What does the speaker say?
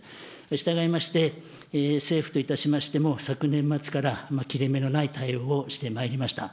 したがいまして、政府といたしましても、昨年末から切れ目のない対応をしてまいりました。